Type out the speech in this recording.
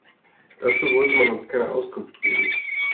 Dazu wollte man uns keine Auskunft geben.